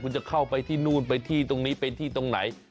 คุณจะเข้าไปที่นู่นไปที่ตรงนี้ไปที่ตรงไหน